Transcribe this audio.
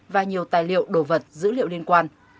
và nhiều tài liệu đồ vật dữ liệu liên quan